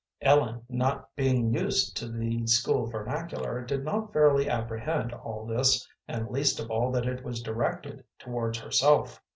Ellen, not being used to the school vernacular, did not fairly apprehend all this, and least of all that it was directed towards herself.